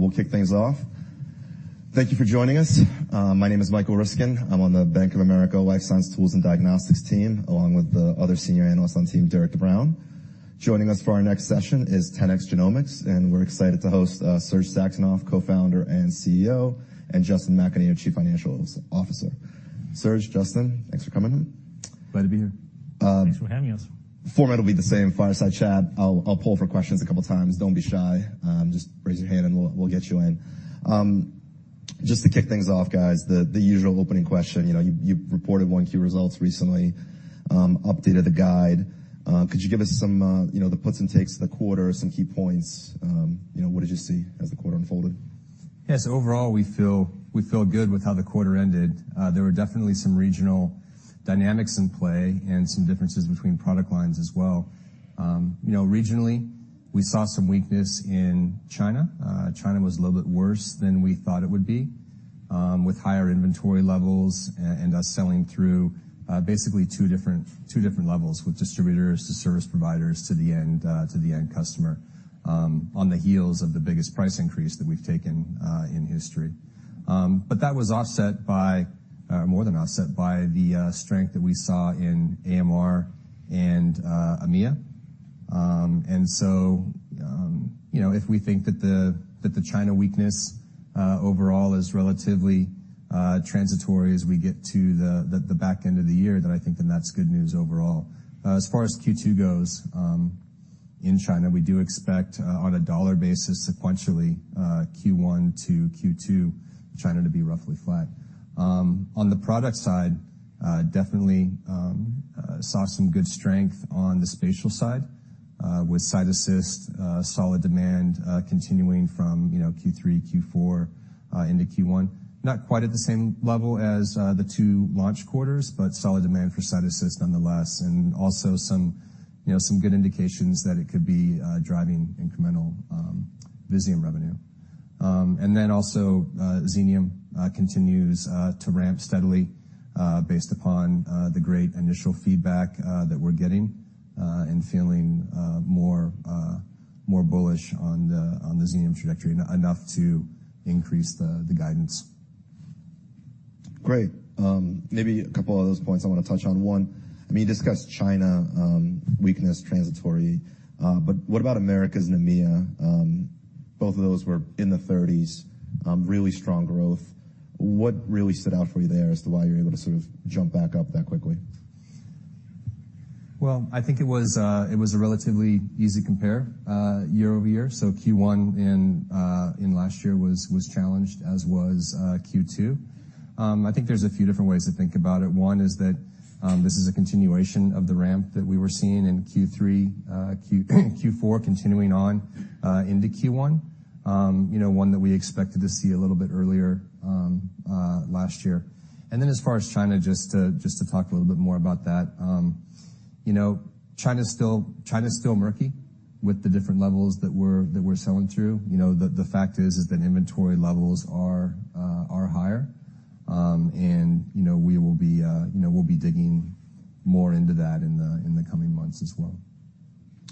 we'll kick things off. Thank you for joining us. My name is Michael Ryskin. I'm on the Bank of America Life Science Tools and Diagnostics team, along with the other Senior Analyst on team, Derik De Bruin. Joining us for our next session is 10x Genomics, we're excited to host Serge Saxonov, co-founder and CEO, and Justin McAnear, Chief Financial Officer. Serge, Justin, thanks for coming in. Glad to be here. Um- Thanks for having us. Format will be the same, fireside chat. I'll poll for questions a couple times. Don't be shy. Just raise your hand and we'll get you in. Just to kick things off, guys, the usual opening question. You know, you've reported on Q results recently, updated the guide. Could you give us some, you know, the puts and takes of the quarter, some key points? You know, what did you see as the quarter unfolded? Yes. Overall, we feel good with how the quarter ended. There were definitely some regional dynamics in play and some differences between product lines as well. You know, regionally, we saw some weakness in China. China was a little bit worse than we thought it would be, with higher inventory levels and us selling through, basically two different levels with distributors to service providers to the end customer, on the heels of the biggest price increase that we've taken, in history. That was offset by, more than offset by the strength that we saw in AMR and EMEA. You know, if we think that the China weakness overall is relatively transitory as we get to the back end of the year, then I think that's good news overall. As far as Q2 goes, in China, we do expect on a dollar basis sequentially, Q1 to Q2, China to be roughly flat. On the product side, definitely saw some good strength on the spatial side, with CytAssist, solid demand continuing from, you know, Q3, Q4, into Q1. Not quite at the same level as the two launch quarters, but solid demand for CytAssist nonetheless, and also some, you know, some good indications that it could be driving incremental Visium revenue. Also, Xenium continues to ramp steadily, based upon the great initial feedback that we're getting, and feeling more bullish on the Xenium trajectory, enough to increase the guidance. Great. Maybe a couple other points I wanna touch on. One, I mean, you discussed China, weakness, transitory. What about Americas and EMEA? Both of those were in the thirties, really strong growth. What really stood out for you there as to why you're able to sort of jump back up that quickly? Well, I think it was a relatively easy compare year-over-year. Q1 in last year was challenged, as was Q2. I think there's a few different ways to think about it. One is that this is a continuation of the ramp that we were seeing in Q3, Q4 continuing on into Q1. You know, one that we expected to see a little bit earlier last year. As far as China, just to talk a little bit more about that, you know, China's still murky with the different levels that we're selling through. You know, the fact is that inventory levels are higher. you know, we will be, you know, we'll be digging more into that in the, in the coming months as well.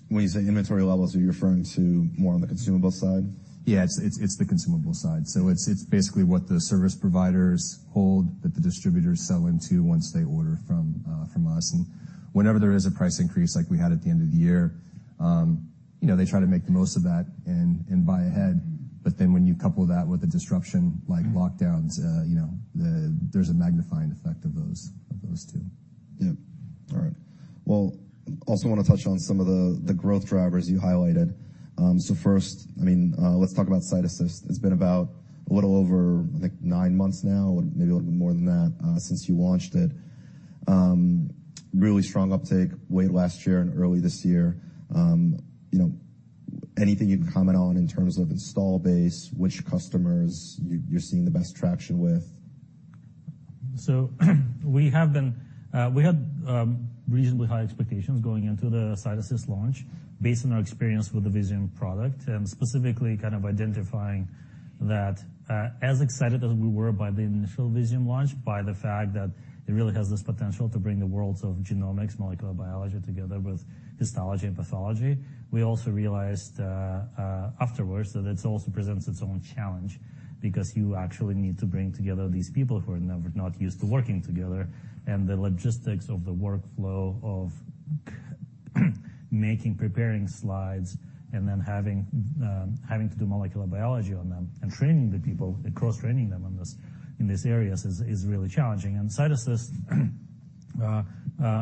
When you say inventory levels, are you referring to more on the consumable side? Yeah. It's the consumable side. It's basically what the service providers hold that the distributors sell into once they order from us. Whenever there is a price increase like we had at the end of the year, you know, they try to make the most of that and buy ahead. When you couple that with a disruption like lockdowns, you know, there's a magnifying effect of those two. Yeah. All right. Well, also wanna touch on some of the growth drivers you highlighted. First, I mean, let's talk about CytAssist. It's been about a little over, I think, nine months now, maybe a little bit more than that, since you launched it. Really strong uptake way last year and early this year. You know, anything you can comment on in terms of install base, which customers you're seeing the best traction with? We have been, we had reasonably high expectations going into the CytAssist launch based on our experience with the Visium product, and specifically kind of identifying that, as excited as we were by the initial Visium launch, by the fact that it really has this potential to bring the worlds of genomics, molecular biology together with histology and pathology, we also realized afterwards that it also presents its own challenge because you actually need to bring together these people who are not used to working together, and the logistics of the workflow of making, preparing slides and then having to do molecular biology on them and training the people, and cross-training them on this, in these areas is really challenging. CytAssist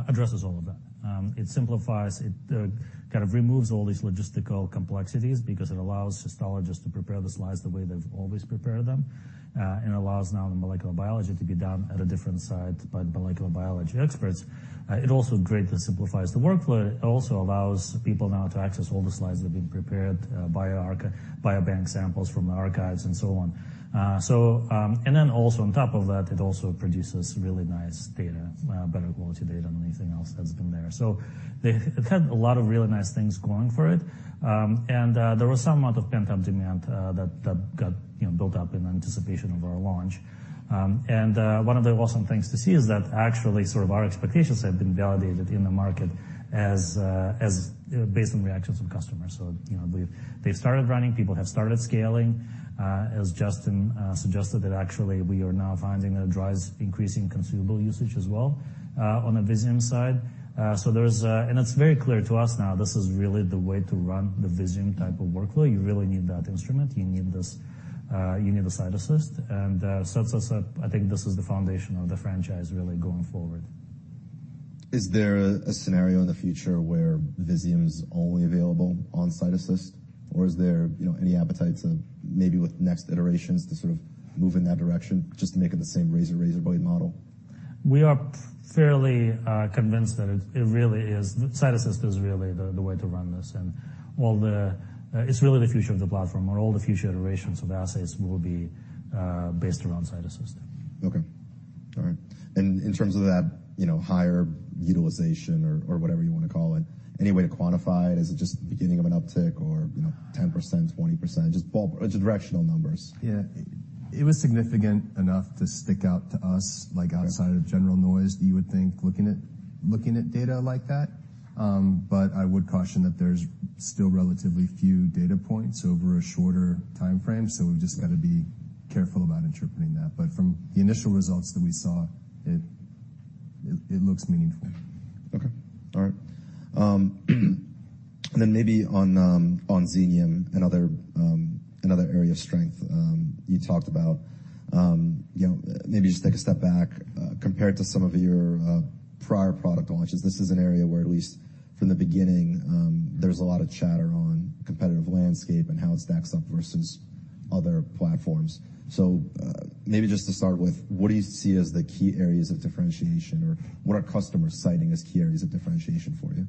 addresses all of that. It simplifies, it kind of removes all these logistical complexities because it allows histologists to prepare the slides the way they've always prepared them, and allows now the molecular biology to be done at a different site by molecular biology experts. It also greatly simplifies the workflow. It also allows people now to access all the slides that have been prepared, biobank samples from the archives and so on. On top of that, it also produces really nice data, better quality data than anything else that's been there. It had a lot of really nice things going for it. There was some amount of pent-up demand that got You know, built up in anticipation of our launch. One of the awesome things to see is that actually, sort of our expectations have been validated in the market as based on reactions from customers. You know, they've started running, people have started scaling. Mm-hmm. as Justin suggested that actually we are now finding that it drives increasing consumable usage as well, on the Visium side. There's. It's very clear to us now, this is really the way to run the Visium type of workflow. You really need that instrument. You need this, you need the CytAssist and sets us up. I think this is the foundation of the franchise really going forward. Is there a scenario in the future where Visium is only available on CytAssist, or is there, you know, any appetite to maybe with next iterations to sort of move in that direction, just to make it the same razor blade model? We are fairly convinced that CytAssist is really the way to run this. It's really the future of the platform, or all the future iterations of assays will be based around CytAssist. Okay. All right. In terms of that, you know, higher utilization or whatever you wanna call it, any way to quantify it? Is it just the beginning of an uptick or, you know, 10%, 20%, just directional numbers. Yeah. It was significant enough to stick out to us, like outside- Okay. of general noise that you would think looking at, looking at data like that. I would caution that there's still relatively few data points over a shorter timeframe, so we've just gotta be careful about interpreting that. From the initial results that we saw, it looks meaningful. Okay. All right. Then maybe on Xenium, another another area of strength, you talked about, you know, maybe just take a step back, compared to some of your prior product launches. This is an area where, at least from the beginning, there's a lot of chatter on competitive landscape and how it stacks up versus other platforms. Maybe just to start with, what do you see as the key areas of differentiation, or what are customers citing as key areas of differentiation for you?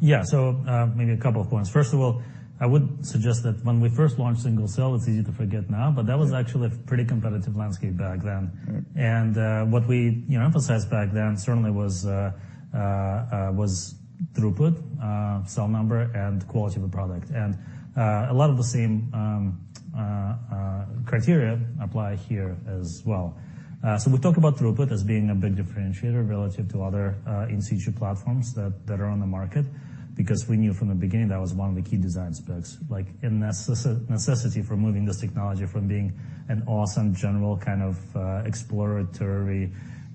Yeah. Maybe a couple of points. First of all, I would suggest that when we first launched single cell, it's easy to forget now... Yeah. That was actually a pretty competitive landscape back then. Mm-hmm. What we, you know, emphasized back then certainly was throughput, cell number and quality of the product. A lot of the same criteria apply here as well. We'll talk about throughput as being a big differentiator relative to other in situ platforms that are on the market, because we knew from the beginning that was one of the key design specs. Like a necessity for moving this technology from being an awesome general kind of exploratory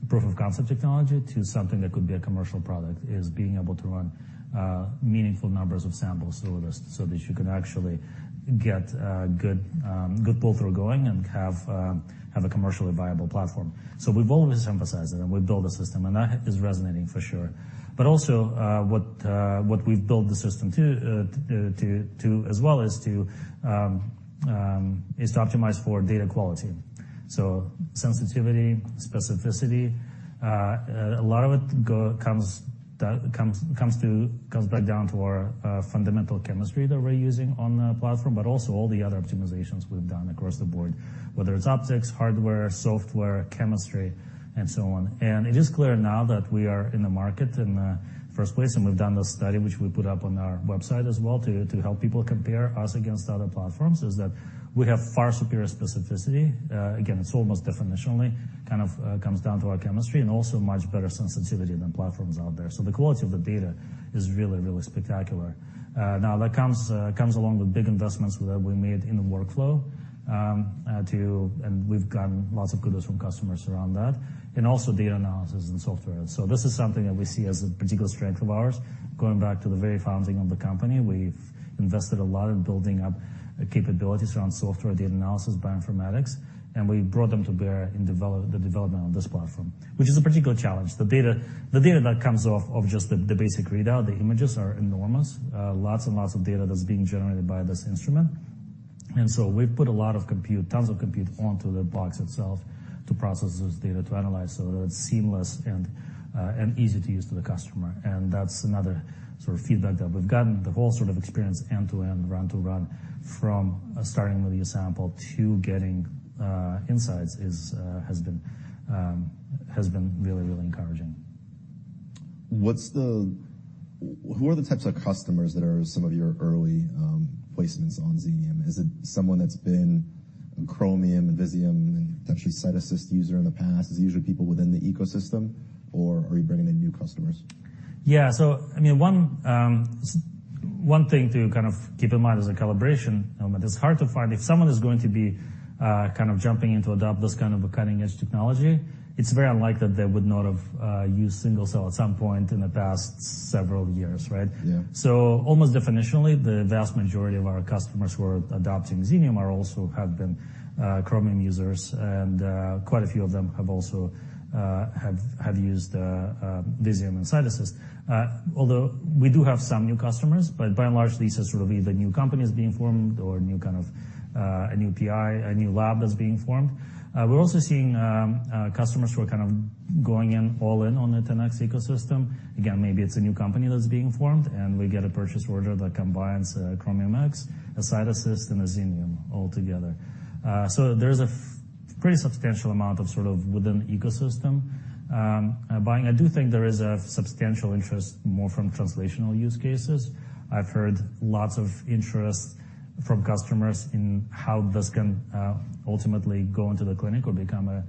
proof of concept technology to something that could be a commercial product, is being able to run meaningful numbers of samples through this, so that you can actually get good pull through going and have a commercially viable platform. We've always emphasized that, and we've built a system, and that is resonating for sure. Also, what we've built the system to, as well as to, is to optimize for data quality. Sensitivity, specificity, a lot of it comes back down to our fundamental chemistry that we're using on the platform, but also all the other optimizations we've done across the board, whether it's optics, hardware, software, chemistry and so on. It is clear now that we are in the market in the first place, and we've done this study, which we put up on our website as well to help people compare us against other platforms, is that we have far superior specificity. Again, it's almost definitionally kind of comes down to our chemistry and also much better sensitivity than platforms out there. The quality of the data is really, really spectacular. Now that comes along with big investments that we made in the workflow. We've gotten lots of kudos from customers around that, and also data analysis and software. This is something that we see as a particular strength of ours. Going back to the very founding of the company, we've invested a lot in building up capabilities around software, data analysis, bioinformatics, and we've brought them to bear in the development of this platform, which is a particular challenge. The data that comes off of just the basic readout, the images are enormous. Lots and lots of data that's being generated by this instrument. We've put a lot of compute, tons of compute onto the box itself to process this data, to analyze so that it's seamless and easy to use to the customer. That's another sort of feedback that we've gotten. The whole sort of experience, end-to-end, run to run, from starting with your sample to getting insights is has been really, really encouraging. Who are the types of customers that are some of your early placements on Xenium? Is it someone that's been Chromium, Visium, and potentially CytAssist user in the past? Is it usually people within the ecosystem, or are you bringing in new customers? Yeah. I mean, one thing to kind of keep in mind is the calibration element. It's hard to find if someone is going to be, kind of jumping in to adopt this kind of a cutting-edge technology, it's very unlikely that they would not have, used single cell at some point in the past several years, right? Yeah. Almost definitionally, the vast majority of our customers who are adopting Xenium are also have been Chromium users. Quite a few of them have also have used Visium and CytAssist. Although we do have some new customers, but by and large, these are sort of either new companies being formed or new kind of a new PI, a new lab that's being formed. We're also seeing customers who are kind of going in all in on the 10x ecosystem. Again, maybe it's a new company that's being formed, and we get a purchase order that combines a Chromium X, a CytAssist, and a Xenium all together. There's a Pretty substantial amount of sort of within ecosystem buying. I do think there is a substantial interest more from translational use cases. I've heard lots of interest from customers in how this can ultimately go into the clinic or become a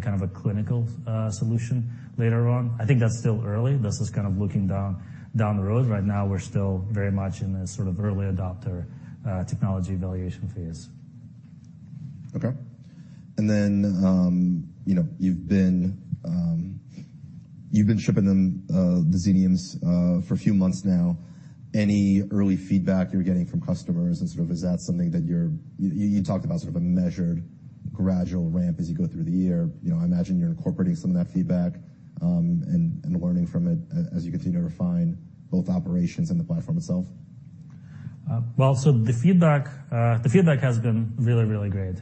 kind of a clinical solution later on. I think that's still early. This is kind of looking down the road. Right now we're still very much in a sort of early adopter technology evaluation phase. Okay. You know, you've been shipping them, the Xeniums, for a few months now. Any early feedback you're getting from customers and sort of is that something you talked about, a measured gradual ramp as you go through the year? You know, I imagine you're incorporating some of that feedback and learning from it as you continue to refine both operations and the platform itself. Well, the feedback has been really, really great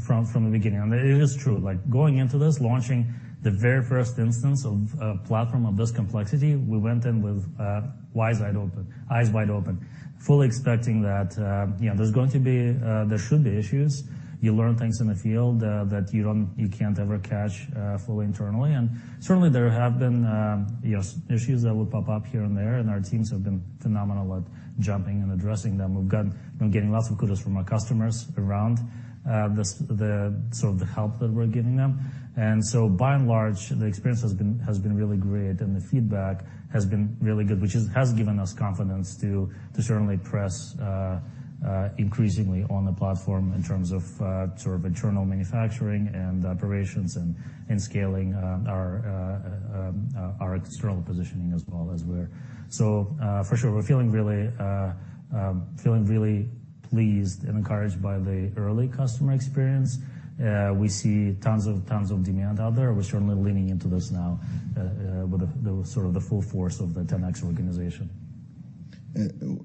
from the beginning. It is true, like going into this, launching the very first instance of a platform of this complexity, we went in with eyes wide open, fully expecting that, you know, there's going to be, there should be issues. You learn things in the field that you don't, you can't ever catch fully internally. Certainly there have been, yes, issues that will pop up here and there, and our teams have been phenomenal at jumping and addressing them. We've been getting lots of kudos from our customers around the sort of the help that we're giving them. By and large, the experience has been really great, and the feedback has been really good, which has given us confidence to certainly press increasingly on the platform in terms of sort of internal manufacturing and operations and scaling our external positioning as well. For sure we're feeling really pleased and encouraged by the early customer experience. We see tons of demand out there. We're certainly leaning into this now with the sort of the full force of the 10x organization.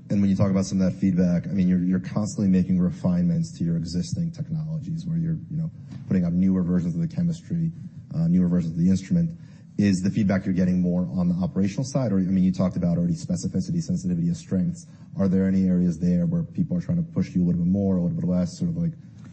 When you talk about some of that feedback, I mean, you're constantly making refinements to your existing technologies where you're, you know, putting out newer versions of the chemistry, newer versions of the instrument. Is the feedback you're getting more on the operational side or, I mean, you talked about already specificity, sensitivity, and strengths. Are there any areas there where people are trying to push you a little bit more or a little bit less, sort of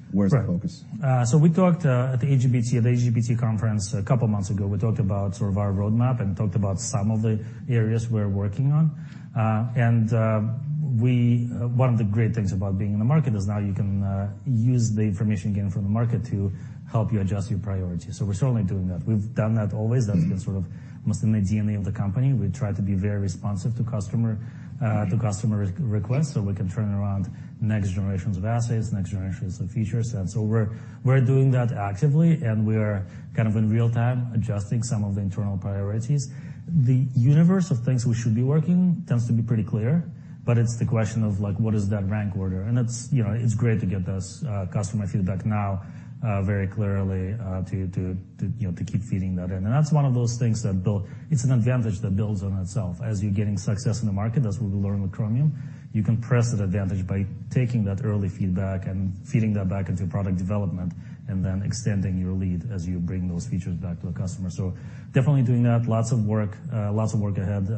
like where's the focus? Right. We talked at the AGBT conference a couple months ago. We talked about sort of our roadmap and talked about some of the areas we're working on. One of the great things about being in the market is now you can use the information gained from the market to help you adjust your priorities. We're certainly doing that. We've done that always. That's been sort of mostly in the DNA of the company. We try to be very responsive to customer re-requests, so we can turn around next generations of assets, next generations of features. We're doing that actively, and we are kind of in real-time adjusting some of the internal priorities. The universe of things we should be working tends to be pretty clear, but it's the question of like, what is that rank order? It's, you know, it's great to get this customer feedback now, very clearly, to, you know, to keep feeding that in. That's one of those things. It's an advantage that builds on itself. As you're getting success in the market, that's what we learned with Chromium, you can press that advantage by taking that early feedback and feeding that back into product development and then extending your lead as you bring those features back to the customer. Definitely doing that. Lots of work, lots of work ahead.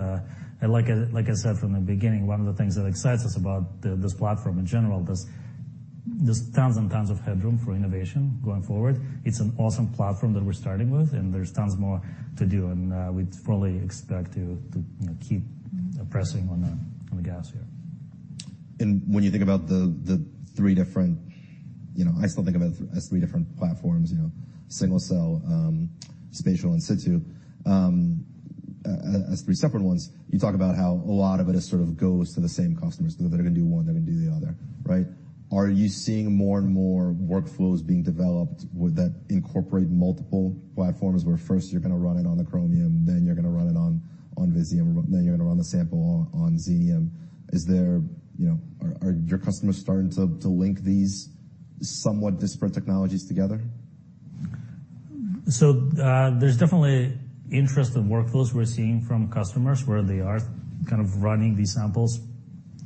Like I said from the beginning, one of the things that excites us about this platform in general, there's tons and tons of headroom for innovation going forward. It's an awesome platform that we're starting with, there's tons more to do. We'd probably expect to, you know, keep pressing on the, on the gas here. When you think about the three different, you know, I still think about as three different platforms, you know, single cell, spatial in situ, as three separate ones. You talk about how a lot of it is sort of goes to the same customers. They're gonna do one, they're gonna do the other, right? Are you seeing more and more workflows being developed with that incorporate multiple platforms where first you're gonna run it on the Chromium, then you're gonna run it on Visium, then you're gonna run the sample on Xenium? Is there? You know, are your customers starting to link these somewhat disparate technologies together? There's definitely interest in workflows we're seeing from customers where they are kind of running these samples.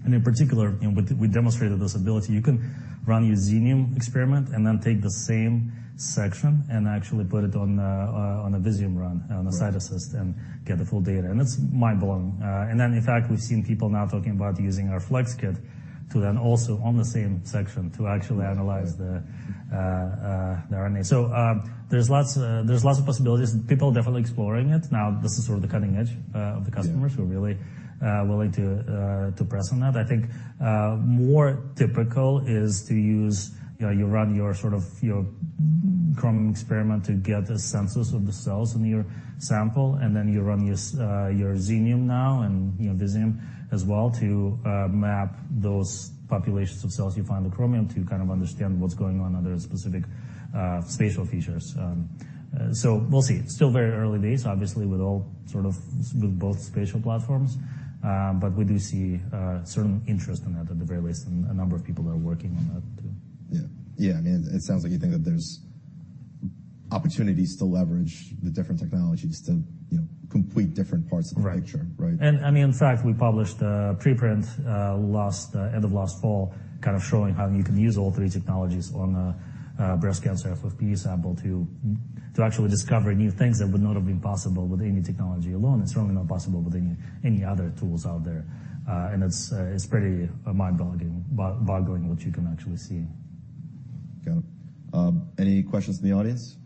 In particular, you know, we demonstrated this ability. You can run your Xenium experiment and then take the same section and actually put it on a Visium run, on a CytAssist and get the full data. It's mind-blowing. Then in fact, we've seen people now talking about using our Chromium Flex to then also on the same section to actually analyze the RNA. There's lots, there's lots of possibilities. People are definitely exploring it. Now, this is sort of the cutting edge of the customers who are really willing to press on that. I think, more typical is to use, you know, you run your sort of, your Chromium experiment to get a census of the cells in your sample, and then you run your Xenium now and, you know, Visium as well to map those populations of cells you find the Chromium to kind of understand what's going on under specific spatial features. We'll see. Still very early days, obviously, with all sort of, with both spatial platforms. We do see certain interest in that at the very least, and a number of people are working on that too. Yeah. Yeah, I mean, it sounds like you think that there's opportunities to leverage the different technologies to, you know, complete different parts of the picture, right? Right. I mean, in fact, we published a preprint, last end of last fall, kind of showing how you can use all three technologies on a breast cancer FFPE sample to actually discover new things that would not have been possible with any technology alone. It's certainly not possible with any other tools out there. It's pretty mind-boggling what you can actually see. Got it. Any questions in the audience?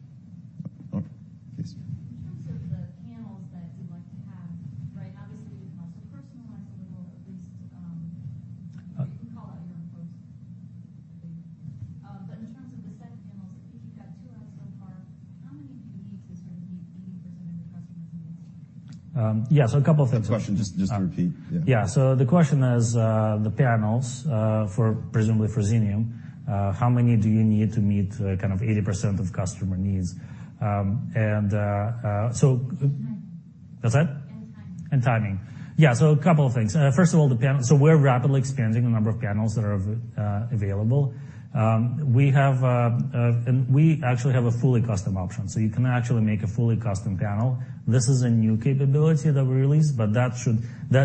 No. Please. Right. Obviously, you can also personalize a little, at least, you can call out your own folks. In terms of the set panels, I think you've got 2 out so far. How many do you need to sort of meet 80% of your customers' needs? Yeah, a couple of things. The question, just repeat. Yeah. Yeah. The question is, the panels, for presumably for Xenium, how many do you need to meet, kind of 80% of customer needs? Timing. What's that? Timing. Timing. Yeah. A couple of things. First of all, the panel. We're rapidly expanding the number of panels that are available. We actually have a fully custom option, so you can actually make a fully custom panel. This is a new capability that we released, but that,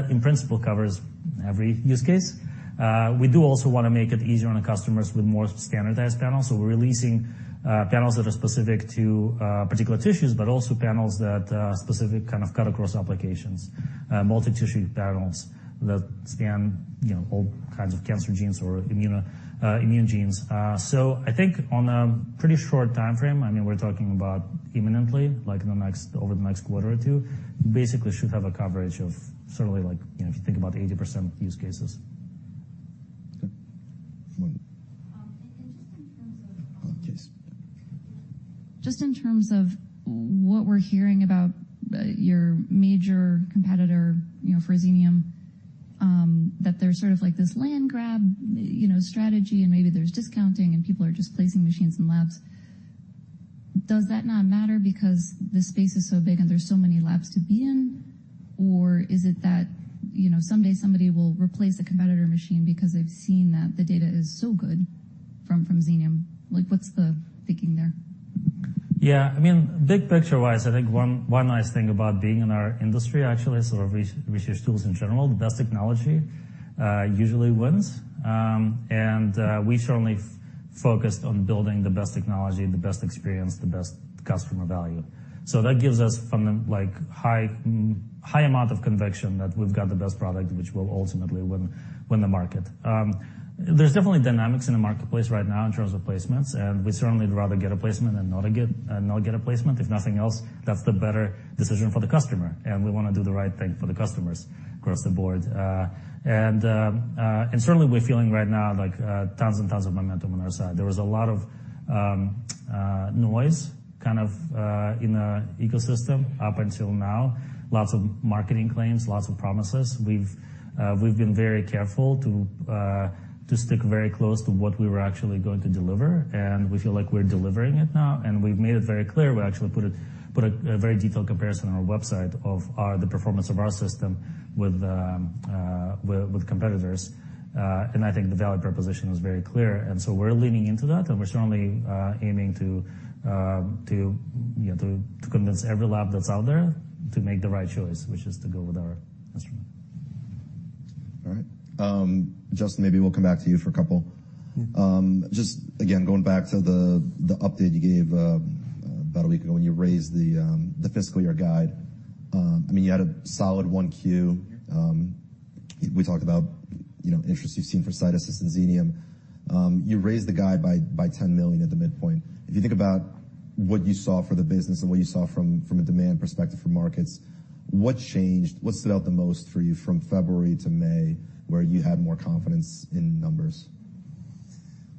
in principle, covers every use case. We do also wanna make it easier on the customers with more standardized panels. We're releasing panels that are specific to particular tissues, but also panels that are specific kind of cut across applications, multi-tissue panels that scan, you know, all kinds of cancer genes or immune genes. I think on a pretty short timeframe, I mean, we're talking about imminently, like in the next, over the next quarter or two, basically should have a coverage of certainly like, you know, if you think about 80% use cases. Okay. just in terms of. Okay. Just in terms of what we're hearing about, your major competitor, you know, for Xenium, that there's sort of like this land grab, you know, strategy, and maybe there's discounting and people are just placing machines in labs. Does that not matter because the space is so big and there's so many labs to be in? Is it that, you know, someday somebody will replace a competitor machine because they've seen that the data is so good from Xenium? Like, what's the thinking there? Yeah, I mean, big picture-wise, I think one nice thing about being in our industry actually is sort of research tools in general, the best technology, usually wins. We certainly focused on building the best technology, the best experience, the best customer value. That gives us from the, like, high amount of conviction that we've got the best product, which will ultimately win the market. There's definitely dynamics in the marketplace right now in terms of placements, and we certainly would rather get a placement than not get a placement. If nothing else, that's the better decision for the customer, and we wanna do the right thing for the customers across the board. Certainly we're feeling right now like tons and tons of momentum on our side. There was a lot of noise kind of in the ecosystem up until now. Lots of marketing claims, lots of promises. We've been very careful to stick very close to what we were actually going to deliver, and we feel like we're delivering it now, and we've made it very clear. We actually put a very detailed comparison on our website of our, the performance of our system with competitors. I think the value proposition was very clear. We're leaning into that, and we're certainly aiming to, you know, to convince every lab that's out there to make the right choice, which is to go with our instrument. All right. Justin, maybe we'll come back to you for a couple. Yeah. Just again, going back to the update you gave about a week ago when you raised the fiscal year guide. I mean, you had a solid 1Q. We talked about, you know, interest you've seen for CytAssist and Xenium. You raised the guide by $10 million at the midpoint. If you think about what you saw for the business and what you saw from a demand perspective for markets, what changed? What stood out the most for you from February to May, where you had more confidence in numbers?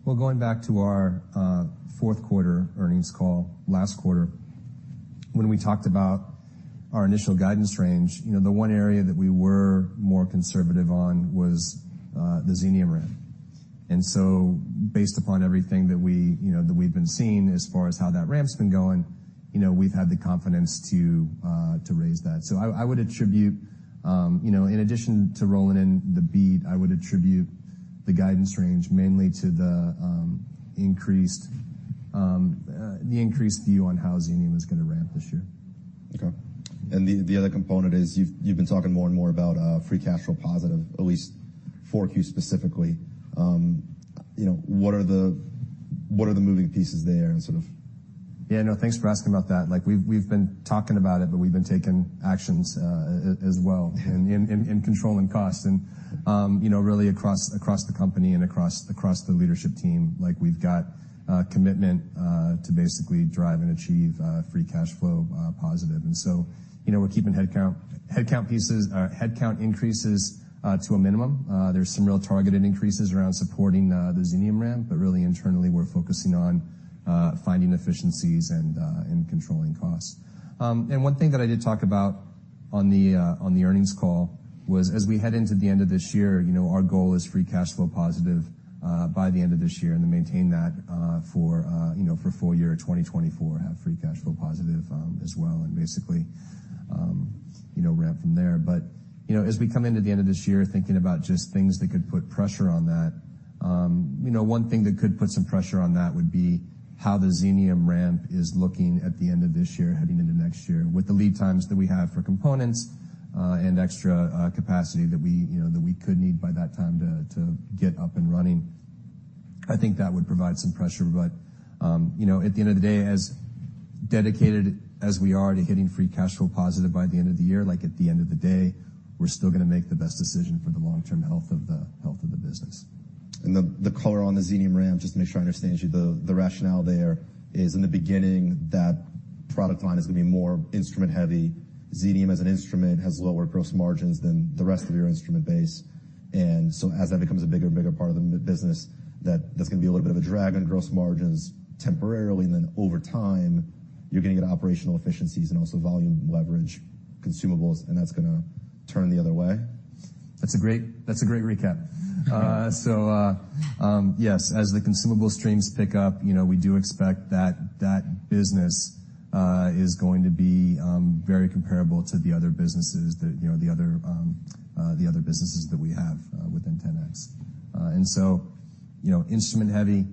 Well, going back to our fourth quarter earnings call last quarter, when we talked about our initial guidance range, you know, the one area that we were more conservative on was the Xenium ramp. Based upon everything that we, you know, that we've been seeing as far as how that ramp's been going, you know, we've had the confidence to raise that. I would attribute, you know, in addition to rolling in the beat, I would attribute the guidance range mainly to the increased view on how Xenium is gonna ramp this year. Okay. The other component is you've been talking more and more about free cash flow positive, at least 4Q specifically. You know, what are the moving pieces there? Yeah, no, thanks for asking about that. Like, we've been talking about it, but we've been taking actions, as well in controlling costs and, you know, really across the company and across the leadership team. Like, we've got commitment to basically drive and achieve free cash flow positive. You know, we're keeping headcount increases to a minimum. There's some real targeted increases around supporting the Xenium ramp, but really internally, we're focusing on finding efficiencies and controlling costs. One thing that I did talk about on the earnings call was as we head into the end of this year, you know, our goal is free cash flow positive by the end of this year and to maintain that for, you know, for full year 2024, have free cash flow positive as well, and basically, you know, ramp from there. you know, as we come into the end of this year, thinking about just things that could put pressure on that, you know, one thing that could put some pressure on that would be how the Xenium ramp is looking at the end of this year, heading into next year with the lead times that we have for components, and extra capacity that we, you know, that we could need by that time to get up and running. I think that would provide some pressure, you know, at the end of the day, as dedicated as we are to hitting free cash flow positive by the end of the year, like at the end of the day, we're still gonna make the best decision for the long-term health of the business. The color on the Xenium RAM, just to make sure I understand you, the rationale there is in the beginning, that product line is gonna be more instrument heavy. Xenium as an instrument has lower gross margins than the rest of your instrument base. As that becomes a bigger and bigger part of the business, that's gonna be a little bit of a drag on gross margins temporarily, and then over time, you're gonna get operational efficiencies and also volume leverage consumables, and that's gonna turn the other way? That's a great recap. Yes. As the consumable streams pick up, you know, we do expect that that business is going to be very comparable to the other businesses that, you know, the other, the other businesses that we have within 10x. And so, you know, instrument heavy,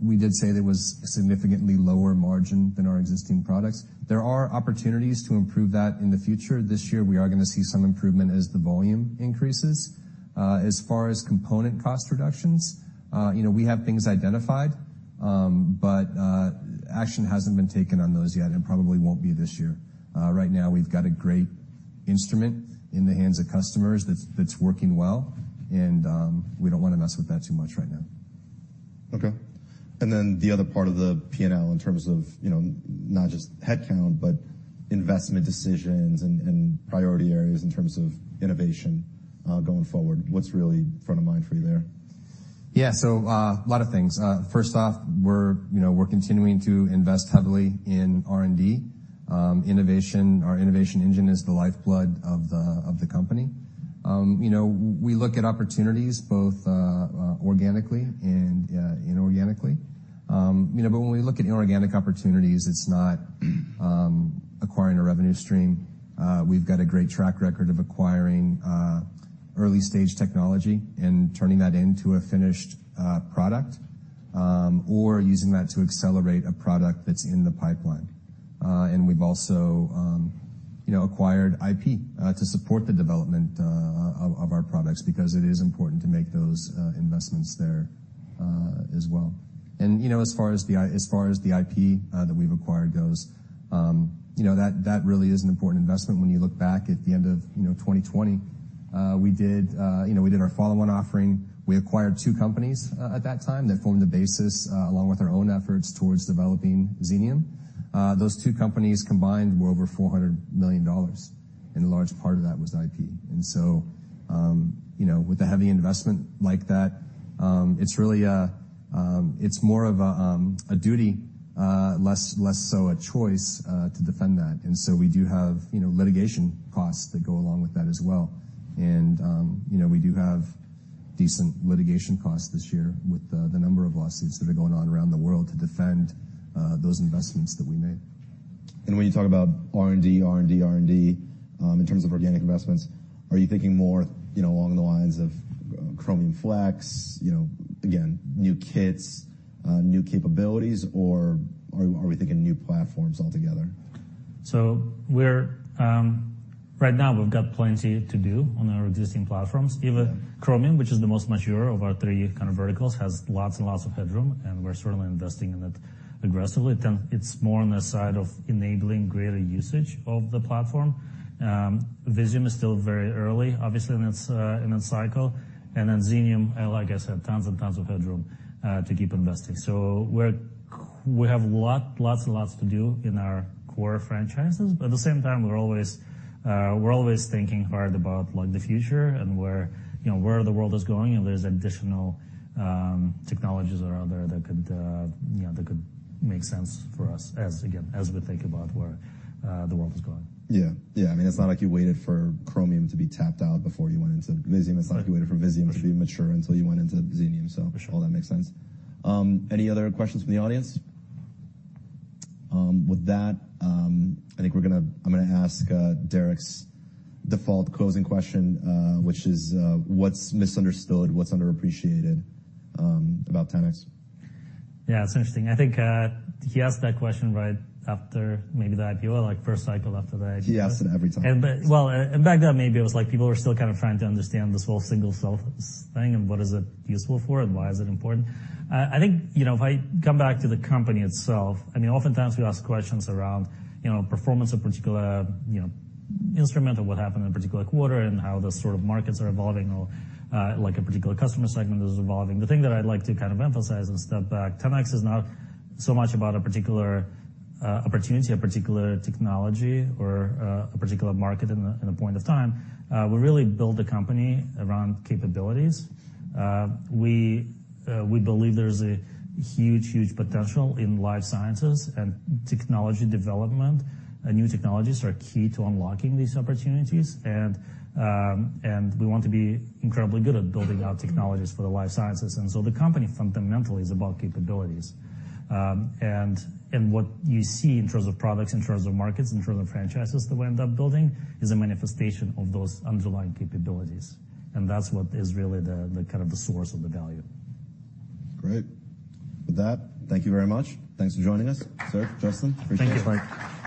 we did say that was significantly lower margin than our existing products. There are opportunities to improve that in the future. This year we are gonna see some improvement as the volume increases. As far as component cost reductions, you know, we have things identified, but action hasn't been taken on those yet, and probably won't be this year. Right now we've got a great instrument in the hands of customers that's working well, and we don't wanna mess with that too much right now. Okay. The other part of the P&L in terms of, you know, not just headcount, but investment decisions and priority areas in terms of innovation, going forward, what's really front of mind for you there? Yeah. Lot of things. First off, we're, you know, we're continuing to invest heavily in R&D. Innovation, our innovation engine is the lifeblood of the, of the company. You know, we look at opportunities both organically and inorganically. You know, when we look at inorganic opportunities, it's not acquiring a revenue stream. We've got a great track record of acquiring early stage technology and turning that into a finished product, or using that to accelerate a product that's in the pipeline. We've also, you know, acquired IP to support the development of our products, because it is important to make those investments there as well. You know, as far as the IP that we've acquired goes, you know, that really is an important investment when you look back at the end of, you know, 2020. We did, you know, we did our follow-on offering. We acquired two companies at that time that formed the basis, along with our own efforts towards developing Xenium. Those two companies combined were over $400 million, and a large part of that was IP. You know, with the heavy investment like that, it's really, it's more of a duty, less so a choice, to defend that. We do have, you know, litigation costs that go along with that as well. You know, we do have decent litigation costs this year with the number of lawsuits that are going on around the world to defend those investments that we made. When you talk about R&D, in terms of organic investments, are you thinking more, you know, along the lines of Chromium Flex, you know, again, new kits, new capabilities, or are we thinking new platforms altogether? We're right now we've got plenty to do on our existing platforms. Yeah. Even Chromium, which is the most mature of our three kind of verticals, has lots and lots of headroom, we're certainly investing in it aggressively. Visium is still very early, obviously, in its cycle. Xenium, like I said, tons and tons of headroom to keep investing. We have lots and lots to do in our core franchises. At the same time, we're always thinking hard about, like, the future and where, you know, where the world is going, and there's additional technologies are out there that could, you know, that could make sense for us as, again, as we think about where the world is going. Yeah. Yeah. I mean, it's not like you waited for Chromium to be tapped out before you went into Visium. Right. It's not like you waited for Visium to be mature until you went into Xenium. For sure. All that makes sense. Any other questions from the audience? With that, I think I'm gonna ask Derik's default closing question, which is, what's misunderstood, what's underappreciated, about 10x? Yeah, it's interesting. I think, he asked that question right after maybe the IPO, like first cycle after the IPO. He asks it every time. Back then maybe it was like people were still kind of trying to understand this whole single cell thing and what is it useful for and why is it important. I think, you know, if I come back to the company itself, I mean, oftentimes we ask questions around, you know, performance of particular, you know, instrument or what happened in a particular quarter and how the sort of markets are evolving or, like a particular customer segment is evolving. The thing that I'd like to kind of emphasize and step back, 10x is not so much about a particular opportunity, a particular technology or, a particular market in a, in a point of time. We really build the company around capabilities. We, we believe there's a huge, huge potential in life sciences and technology development. New technologies are key to unlocking these opportunities and we want to be incredibly good at building out technologies for the life sciences. The company fundamentally is about capabilities. What you see in terms of products, in terms of markets, in terms of franchises that we end up building is a manifestation of those underlying capabilities, and that's what is really the kind of the source of the value. Great. With that, thank you very much. Thanks for joining us. Serge, Justin, appreciate it. Thank you. Thanks.